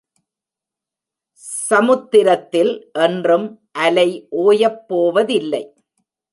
சமுத்திரத்தில் என்றும் அலை ஒயப்போவதில்லை.